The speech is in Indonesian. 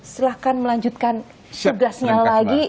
silahkan melanjutkan tugasnya lagi